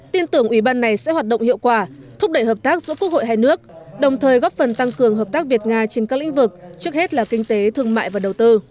tin tưởng ủy ban này sẽ hoạt động hiệu quả thúc đẩy hợp tác giữa quốc hội hai nước đồng thời góp phần tăng cường hợp tác việt nga trên các lĩnh vực trước hết là kinh tế thương mại và đầu tư